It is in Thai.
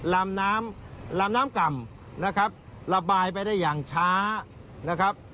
ลำน้ำลำน้ำก่ำนะครับระบายไปได้อย่างช้านะครับ